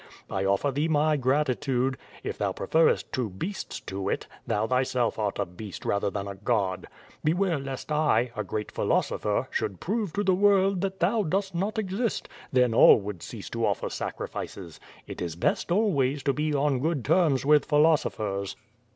I offer thee my gratitude. If thou preferest two beasts to it, thou thyself art a beast rather than a god. Beware lest I, a great philosopher, should prove to the world that thou dost not exist, then all would cease to offer sacri fices. It is best always to be on good terms with philoso phers.